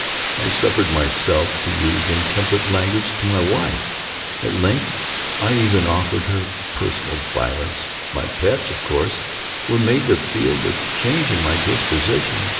I suffered myself to use intemperate language to my wife. At length, I even offered her personal violence. My pets, of course, were made to feel the change in my disposition.